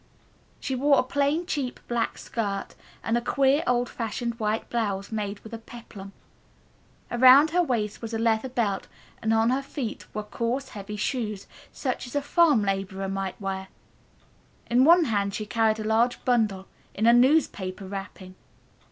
She wore a plain, cheap black skirt and a queer, old fashioned white blouse made with a peplum. Around her waist was a leather belt, and on her feet were coarse heavy shoes such as a farm laborer might wear. In one hand she carried a large bundle, in a newspaper wrapping.